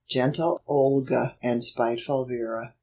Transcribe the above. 26 GENTLE OLGA AND SPITEFUL VERA.